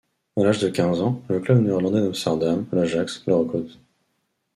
À l'âge de quinze ans, le club néerlandais d'Amsterdam, l'Ajax, le recrute.